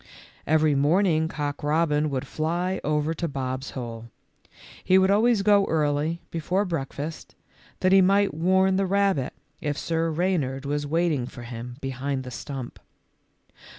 Every morning Cock robin would fly over to Bob's hole. He would always go early, be fore breakfast, that he might warn the rabbit if Sir Reynard was waiting for him behind the stump.